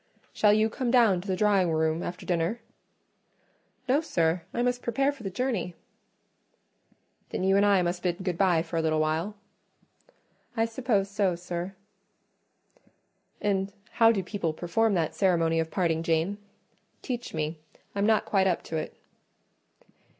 "Shall you come down to the drawing room after dinner?" "No, sir, I must prepare for the journey." "Then you and I must bid good bye for a little while?" "I suppose so, sir." "And how do people perform that ceremony of parting, Jane? Teach me; I'm not quite up to it."